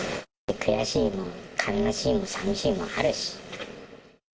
悔しい、悲しい、さみしいもあるし。